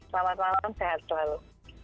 selamat malam sehat selalu